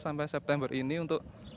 sampai september ini untuk